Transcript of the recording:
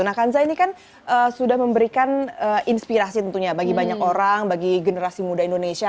nah kanza ini kan sudah memberikan inspirasi tentunya bagi banyak orang bagi generasi muda indonesia